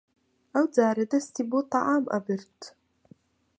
ئەوجارە دەستی بۆ تەعام ئەبرد